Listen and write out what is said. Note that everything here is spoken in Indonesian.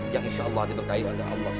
yang insyaallah diberkati oleh allah swt